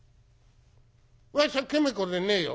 「わしゃケメ子でねえよ」。